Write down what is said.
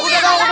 aduh udah udah